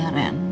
kamu juga yuk